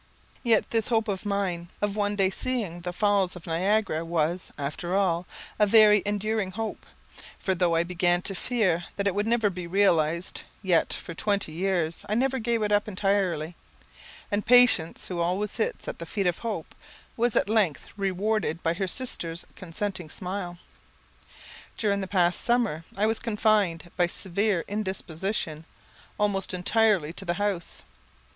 Yet this hope of mine, of one day seeing the Falls of Niagara, was, after all, a very enduring hope; for though I began to fear that it never would be realized, yet, for twenty years, I never gave it up entirely; and Patience, who always sits at the feet of Hope, was at length rewarded by her sister's consenting smile. During the past summer I was confined, by severe indisposition, almost entirely to the house.